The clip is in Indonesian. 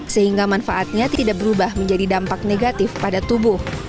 sehingga manfaatnya tidak berubah menjadi dampak negatif pada tubuh